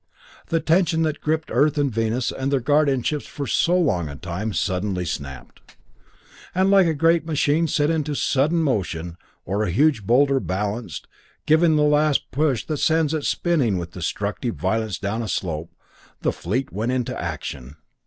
The tension that had gripped Earth and Venus and their guardian ships for so long a time suddenly snapped; and like a great machine set into sudden motion, or a huge boulder, balanced, given the last push that sends it spinning with destructive violence down a slope, the fleet went into action.